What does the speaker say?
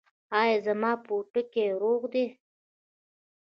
ایا زما پوټکی روغ دی؟